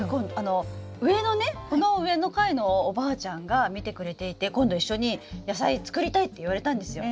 上のねこの上の階のおばあちゃんが見てくれていて今度一緒に野菜作りたいって言われたんですよ。